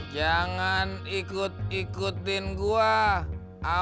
jangan ikut ikutin gua